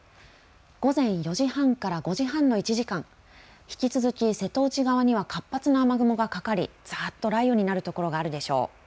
午前４時半から５時半の１時間引き続き瀬戸内側には活発な雨雲がかかりざっと雷雨になるところがあるでしょう。